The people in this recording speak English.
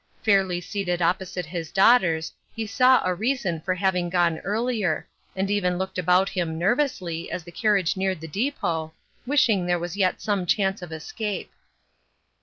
Fairly seated opposite his daughters, he saw a reason for having gone earlier, and even looked about him, nervously, as the carriage neared the depot, wishing there was yet some chance of escape.